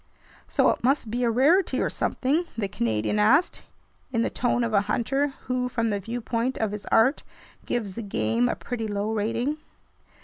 "So it must be a rarity or something?" the Canadian asked, in the tone of a hunter who, from the viewpoint of his art, gives the game a pretty low rating.